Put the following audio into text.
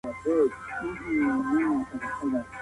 د پوستکي رنګ د ګرولو پر مهال سور کېږي.